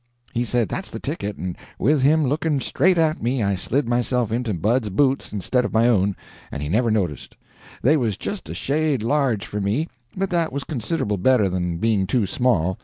"He said that's the ticket, and with him looking straight at me I slid myself into Bud's boots instead of my own, and he never noticed. They was just a shade large for me, but that was considerable better than being too small.